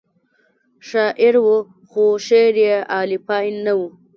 شاعر و خو شعر یې اعلی پای نه و.